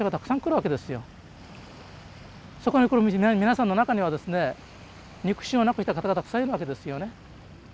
そこに来る皆さんの中にはですね肉親を亡くした方がたくさんいるわけですよね。